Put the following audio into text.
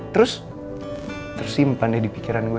terus tersimpannya di pikiran gue